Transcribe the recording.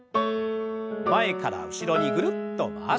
前から後ろにぐるっと回して。